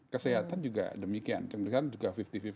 kesehatan juga demikian juga lima puluh lima puluh